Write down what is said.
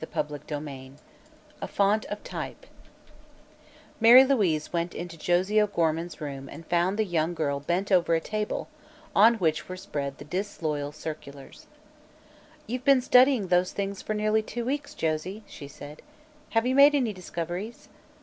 CHAPTER XI A FONT OF TYPE Mary Louise went into Josie O'Gorman's room and found the young girl bent over a table on which were spread the disloyal circulars. "You've been studying those things for nearly two weeks, Josie," she said. "Have you made any discoveries?"